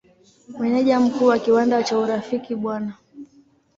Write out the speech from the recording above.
Meneja Mkuu wa kiwanda cha Urafiki Bw.